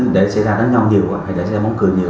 để xảy ra đánh nhau nhiều để xảy ra bóng cười nhiều